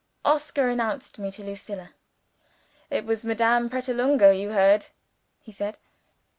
Oscar announced me to Lucilla. "It was Madame Pratolungo you heard," he said.